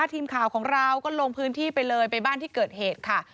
ทีมข่าวของเราก็ลงพื้นที่ไปเลยไปบ้านที่เกิดเหตุค่ะ